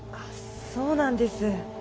そうなんです。